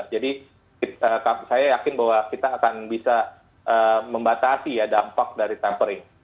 jadi saya yakin bahwa kita akan bisa membatasi ya dampak dari tapering